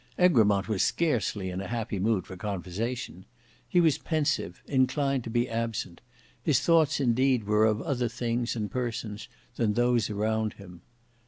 Egremont was scarcely in a happy mood for conversation. He was pensive, inclined to be absent; his thoughts indeed were of other things and persons than those around him.